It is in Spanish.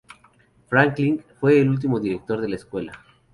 Franklin fue el último director de la escuela.